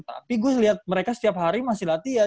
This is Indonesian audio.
tapi gue lihat mereka setiap hari masih latihan